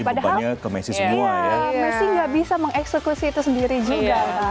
padahal messi nggak bisa mengeksekusi itu sendiri juga